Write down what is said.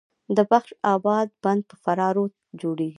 د بخش اباد بند په فراه رود جوړیږي